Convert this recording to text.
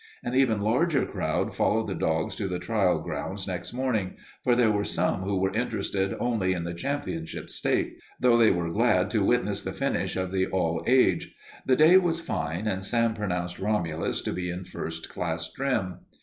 An even larger crowd followed the dogs to the trial grounds next morning, for there were some who were interested only in the Championship stake, though they were glad to witness the finish of the All Age. The day was fine and Sam pronounced Romulus to be in first class trim.